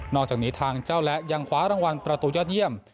อกจากนี้ทางเจ้าและยังคว้ารางวัลประตูยอดเยี่ยม